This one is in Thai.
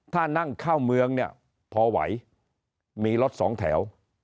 ถ้านั่งเข้าเมืองเนี่ยพอไหวมีรถสองแถว